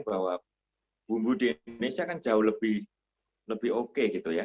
bahwa bumbu di indonesia kan jauh lebih oke gitu ya